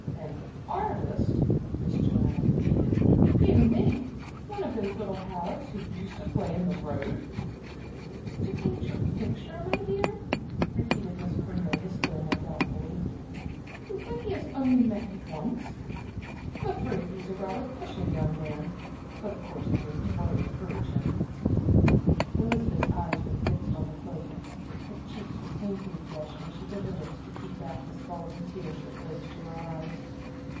"An artist!" Miss Joanna repeated. "Dear me! One of those little Hallecks who used to play in the road." "To paint your picture, my dear?" repeated Miss Cornelia still more doubtfully. "When he has only met you once! I am afraid he is rather a pushing young man. But of course, dear, you won't encourage him." Elizabeth's eyes were fixed on her plate; her cheeks were painfully flushed and she bit her lips to keep back the scalding tears that rose to her eyes.